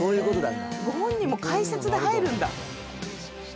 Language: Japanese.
ご本人も解説で入るんだ。